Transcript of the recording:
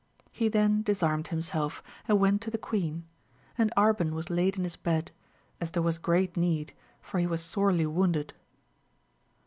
He then disarmed himself, and went to the queen ; and Arban was laid in his bed, as there was great need, for he was sorely wounded.